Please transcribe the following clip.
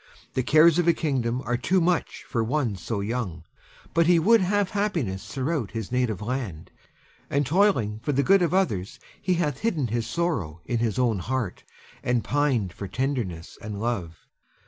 The cares of a kingdom are too much for one so young; but he would have happiness throughout his native land, and toiling for the good of others he hath hidden his sorrow in his own heart, and pined for tenderness and love.